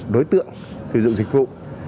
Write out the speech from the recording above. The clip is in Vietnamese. đối tượng sử dụng dịch vụ